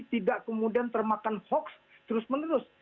tidak kemudian termakan hoax terus menerus